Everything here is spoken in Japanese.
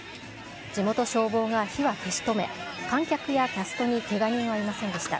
地元消防が火は消し止め、観客やキャストにけが人はいませんでした。